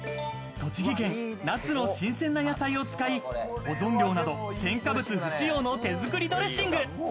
栃木県那須の新鮮な野菜を使い、保存料など添加物不使用の手作りドレッシング。